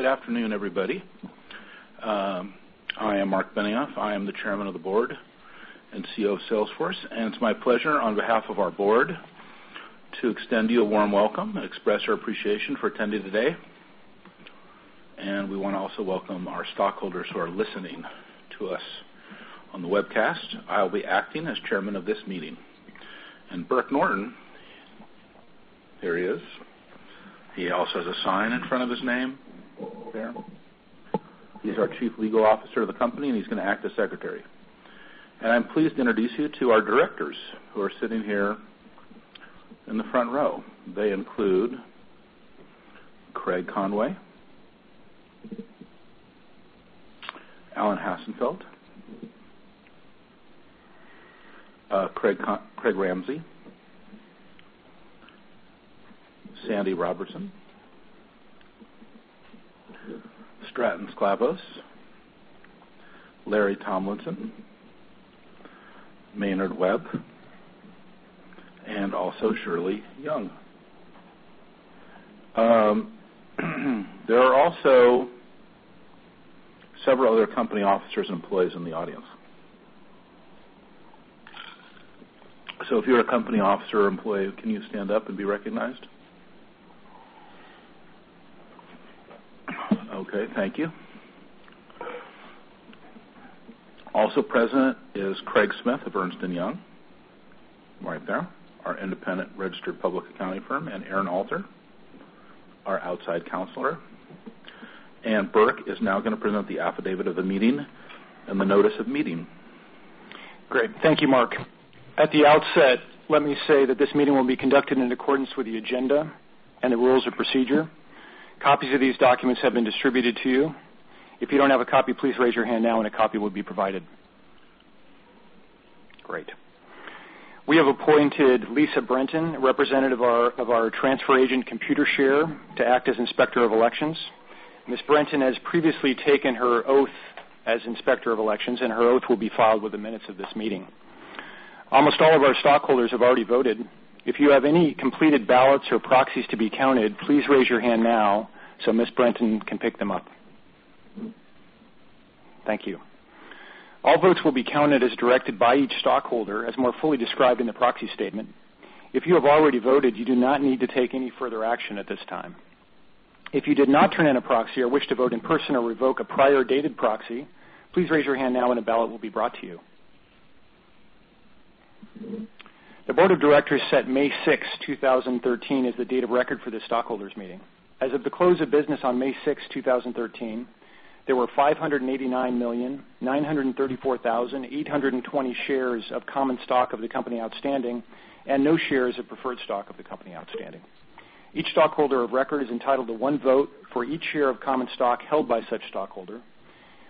Good afternoon, everybody. I am Marc Benioff. I am the Chairman of the Board and CEO of Salesforce, and it's my pleasure on behalf of our board to extend you a warm welcome and express our appreciation for attending today. We want to also welcome our stockholders who are listening to us on the webcast. I'll be acting as chairman of this meeting. Burke Norton, there he is. He also has a sign in front of his name there. He's our Chief Legal Officer of the company, and he's going to act as secretary. I'm pleased to introduce you to our directors who are sitting here in the front row. They include Craig Conway, Alan Hassenfeld, Craig Ramsay, Sandy Robertson, Stratton Sclavos, Larry Tomlinson, Maynard Webb, and also Shirley Young. There are also several other company officers and employees in the audience. If you're a company officer or employee, can you stand up and be recognized? Okay, thank you. Also present is Craig Smith of Ernst & Young, right there, our independent registered public accounting firm, and Aaron Alter, our outside counselor. Burke is now going to present the affidavit of the meeting and the notice of meeting. Great. Thank you, Marc. At the outset, let me say that this meeting will be conducted in accordance with the agenda and the rules of procedure. Copies of these documents have been distributed to you. If you don't have a copy, please raise your hand now and a copy will be provided. Great. We have appointed Lisa Brenton, a representative of our transfer agent Computershare, to act as Inspector of Elections. Ms. Brenton has previously taken her oath as Inspector of Elections, and her oath will be filed with the minutes of this meeting. Almost all of our stockholders have already voted. If you have any completed ballots or proxies to be counted, please raise your hand now so Ms. Brenton can pick them up. Thank you. All votes will be counted as directed by each stockholder, as more fully described in the proxy statement. If you have already voted, you do not need to take any further action at this time. If you did not turn in a proxy or wish to vote in person or revoke a prior-dated proxy, please raise your hand now, and a ballot will be brought to you. The board of directors set May 6, 2013, as the date of record for this stockholders meeting. As of the close of business on May 6, 2013, there were 589,934,820 shares of common stock of the company outstanding and no shares of preferred stock of the company outstanding. Each stockholder of record is entitled to one vote for each share of common stock held by such stockholder.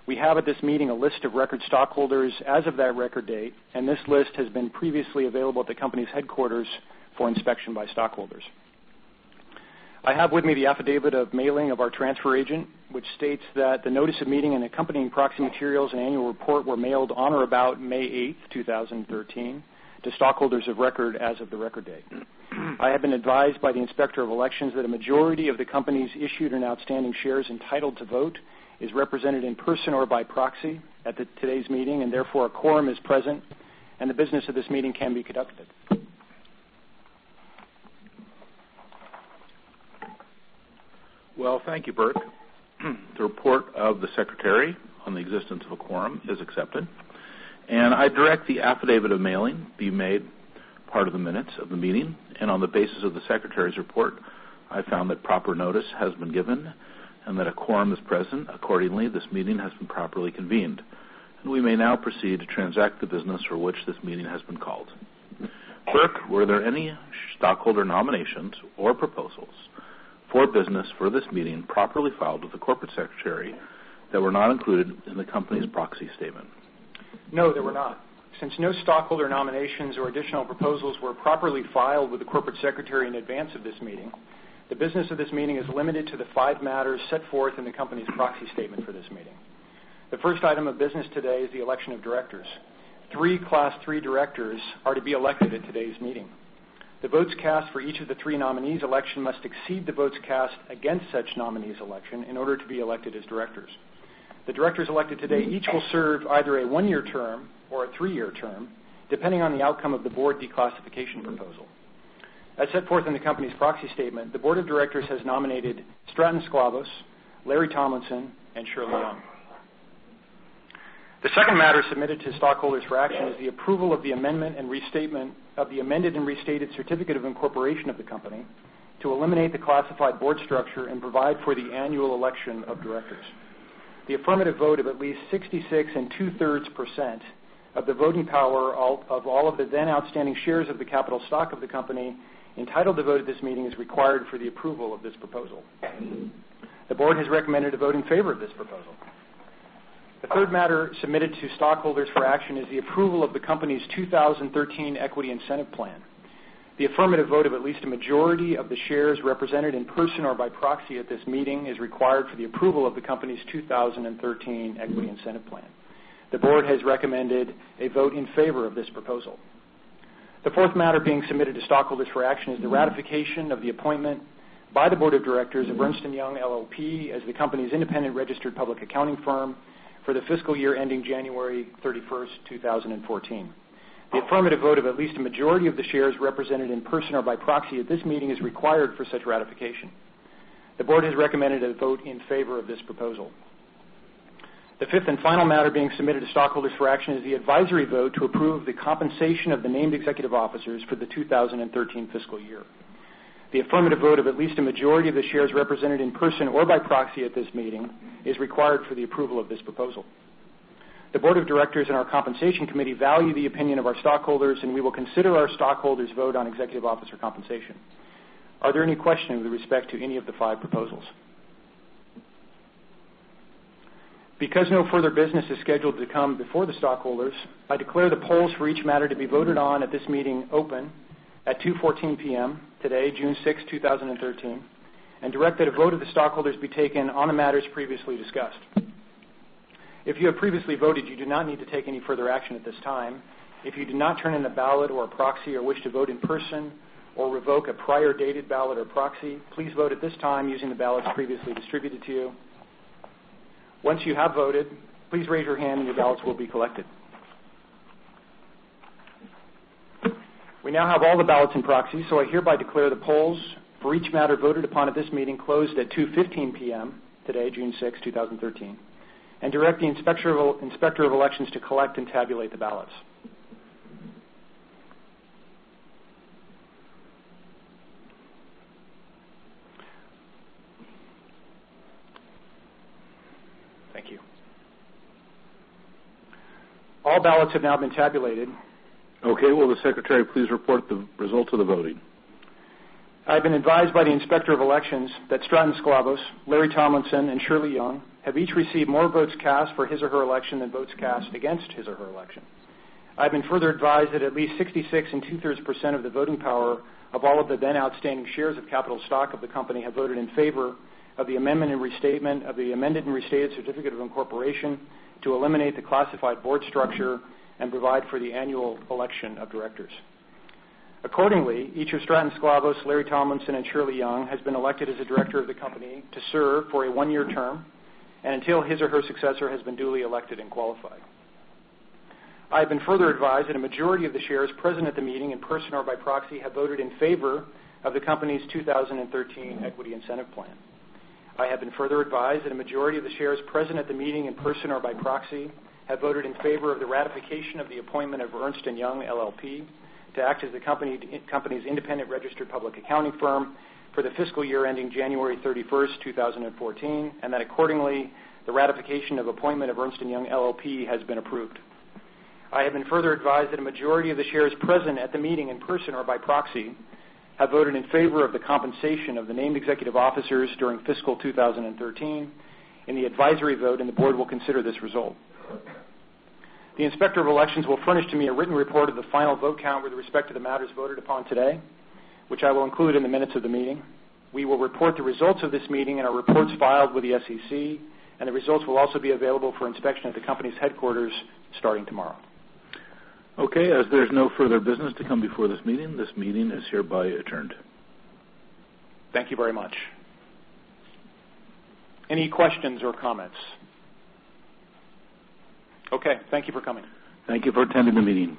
We have at this meeting a list of record stockholders as of that record date, and this list has been previously available at the company's headquarters for inspection by stockholders. I have with me the affidavit of mailing of our transfer agent, which states that the notice of meeting and accompanying proxy materials and annual report were mailed on or about May 8, 2013, to stockholders of record as of the record date. I have been advised by the Inspector of Elections that a majority of the company's issued and outstanding shares entitled to vote is represented in person or by proxy at today's meeting, and therefore, a quorum is present, and the business of this meeting can be conducted. Well, thank you, Burke. The report of the secretary on the existence of a quorum is accepted, and I direct the affidavit of mailing be made part of the minutes of the meeting, and on the basis of the secretary's report, I found that proper notice has been given and that a quorum is present. Accordingly, this meeting has been properly convened, and we may now proceed to transact the business for which this meeting has been called. Burke, were there any stockholder nominations or proposals for business for this meeting properly filed with the corporate secretary that were not included in the company's proxy statement? No, there were not. Since no stockholder nominations or additional proposals were properly filed with the corporate secretary in advance of this meeting, the business of this meeting is limited to the five matters set forth in the company's proxy statement for this meeting. The first item of business today is the election of directors. Three Class III directors are to be elected at today's meeting. The votes cast for each of the three nominees' election must exceed the votes cast against such nominees' election in order to be elected as directors. The directors elected today, each will serve either a one-year term or a three-year term, depending on the outcome of the board declassification proposal. As set forth in the company's proxy statement, the board of directors has nominated Stratton Sclavos, Larry Tomlinson, and Shirley Young. The second matter submitted to stockholders for action is the approval of the amendment and restatement of the amended and restated certificate of incorporation of the company to eliminate the classified board structure and provide for the annual election of directors. The affirmative vote of at least 66.66% of the voting power of all of the then outstanding shares of the capital stock of the company entitled to vote at this meeting is required for the approval of this proposal. The board has recommended a vote in favor of this proposal. The third matter submitted to stockholders for action is the approval of the company's 2013 Equity Incentive Plan. The affirmative vote of at least a majority of the shares represented in person or by proxy at this meeting is required for the approval of the company's 2013 Equity Incentive Plan. The board has recommended a vote in favor of this proposal. The fourth matter being submitted to stockholders for action is the ratification of the appointment by the board of directors of Ernst & Young LLP as the company's independent registered public accounting firm for the fiscal year ending January 31st, 2014. The affirmative vote of at least a majority of the shares represented in person or by proxy at this meeting is required for such ratification. The board has recommended a vote in favor of this proposal. The fifth and final matter being submitted to stockholders for action is the advisory vote to approve the compensation of the named executive officers for the 2013 fiscal year. The affirmative vote of at least a majority of the shares represented in person or by proxy at this meeting is required for the approval of this proposal. The board of directors and our compensation committee value the opinion of our stockholders. We will consider our stockholders' vote on executive officer compensation. Are there any questions with respect to any of the five proposals? No further business is scheduled to come before the stockholders. I declare the polls for each matter to be voted on at this meeting open at 2:14 P.M. today, June 6th, 2013, and direct that a vote of the stockholders be taken on the matters previously discussed. If you have previously voted, you do not need to take any further action at this time. If you did not turn in a ballot or a proxy or wish to vote in person or revoke a prior dated ballot or proxy, please vote at this time using the ballots previously distributed to you. Once you have voted, please raise your hand and your ballots will be collected. We now have all the ballots and proxies. I hereby declare the polls for each matter voted upon at this meeting closed at 2:15 P.M. today, June 6th, 2013, and direct the inspector of elections to collect and tabulate the ballots. Thank you. All ballots have now been tabulated. Okay. Will the secretary please report the results of the voting? I've been advised by the inspector of elections that Stratton Sclavos, Larry Tomlinson, and Shirley Young have each received more votes cast for his or her election than votes cast against his or her election. I've been further advised that at least 66 2/3% of the voting power of all of the then outstanding shares of capital stock of the company have voted in favor of the amendment and restatement of the amended and restated certificate of incorporation to eliminate the classified board structure and provide for the annual election of directors. Accordingly, each of Stratton Sclavos, Larry Tomlinson, and Shirley Young has been elected as a director of the company to serve for a one-year term and until his or her successor has been duly elected and qualified. I've been further advised that a majority of the shares present at the meeting in person or by proxy have voted in favor of the company's 2013 Equity Incentive Plan. I have been further advised that a majority of the shares present at the meeting in person or by proxy have voted in favor of the ratification of the appointment of Ernst & Young LLP to act as the company's independent registered public accounting firm for the fiscal year ending January 31st, 2014, and that accordingly, the ratification of appointment of Ernst & Young LLP has been approved. I have been further advised that a majority of the shares present at the meeting in person or by proxy have voted in favor of the compensation of the named executive officers during fiscal 2013 in the advisory vote, and the board will consider this result. The inspector of elections will furnish to me a written report of the final vote count with respect to the matters voted upon today, which I will include in the minutes of the meeting. We will report the results of this meeting in our reports filed with the SEC, and the results will also be available for inspection at the company's headquarters starting tomorrow. Okay, as there's no further business to come before this meeting, this meeting is hereby adjourned. Thank you very much. Any questions or comments? Okay, thank you for coming. Thank you for attending the meeting.